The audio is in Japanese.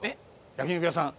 焼肉屋さん！